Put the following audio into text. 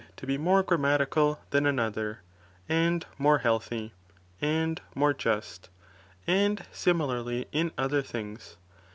to be more grammatical, than another, and more healthy, and more just, and similarly in other things.